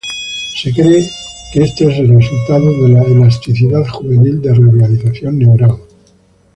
Se cree que esto es el resultado de la elasticidad juvenil de reorganización neural.